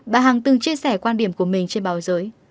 bà hằng từng chia sẻ quan điểm của mình trên báo giới